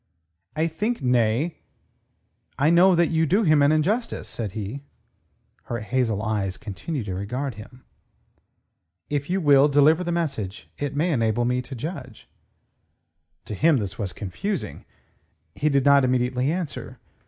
"I think..., nay, I know that you do him an injustice," said he. Her hazel eyes continued to regard him. "If you will deliver the message, it may enable me to judge." To him, this was confusing. He did not immediately answer.